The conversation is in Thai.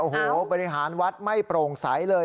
โอ้โหบริหารวัดไม่โปร่งใสเลย